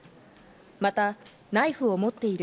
またナイフを持っている。